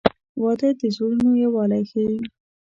• واده د زړونو یووالی ښیي.